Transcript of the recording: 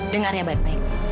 dengar ya baik baik